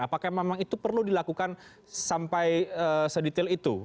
apakah memang itu perlu dilakukan sampai sedetail itu